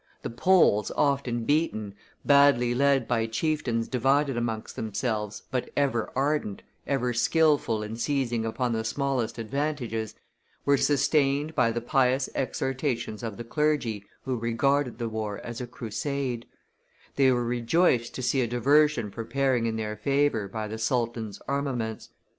The Poles, often beaten, badly led by chieftains divided amongst themselves, but ever ardent, ever skilful in seizing upon the smallest advantages, were sustained by the pious exhortations of the clergy, who regarded the war as a crusade; they were rejoiced to see a diversion preparing in their favor by the Sultan's armaments.